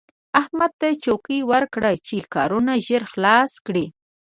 احمد ته چوکه ورکړه چې کارونه ژر خلاص کړي.